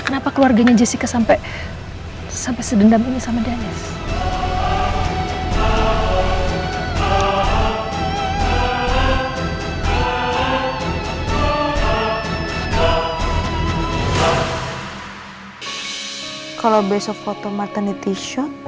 kenapa keluarganya jessica sampai sedendam ini sama dennis